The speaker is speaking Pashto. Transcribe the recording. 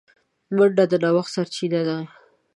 منډه د نوښت سرچینه ده